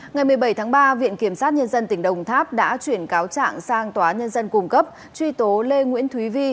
ngày một mươi bảy tháng ba viện kiểm sát nhân dân tỉnh đồng tháp đã chuyển cáo trạng sang tòa nhân dân cung cấp truy tố lê nguyễn thúy vi